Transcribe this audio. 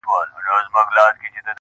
د محبت دار و مدار کي خدايه .